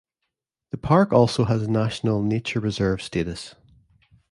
The park also has national nature reserve status.